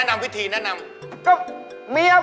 นี่แนะนำวิธีแนะนำ